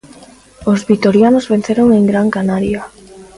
Os vitorianos venceron en Gran Canaria.